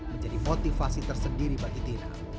menjadi motivasi tersendiri bagi tina